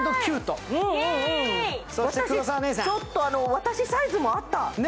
私サイズもあった。